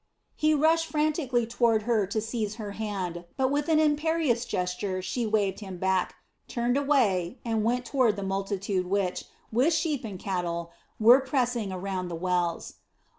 He rushed frantically toward her to seize her hand; but with an imperious gesture she waved him back, turned away, and went toward the multitude which, with sheep and cattle, were pressing around the wells.